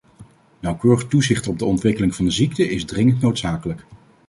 Nauwkeurig toezicht op de ontwikkeling van de ziekte is dringend noodzakelijk.